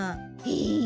へえ。